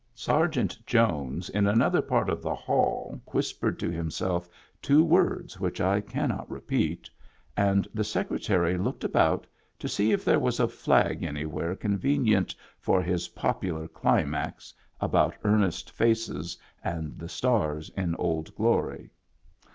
Sergeant Jones in another part of the hall whispered to himself two words which I cannot repeat, and the Secretary looked about to see if there was a flag anywhere convenient for his popular climax about earnest faces and the stars in Old Glory.